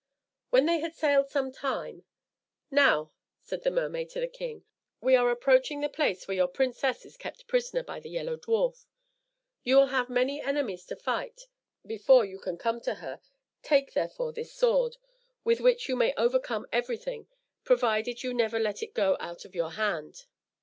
When they had sailed some time, "Now," said the mermaid to the king, "we are approaching the place where your princess is kept prisoner by the Yellow Dwarf. You will have many enemies to fight before you can come to her, take, therefore, this sword, with which you may overcome everything, provided you never let it go out of your hand."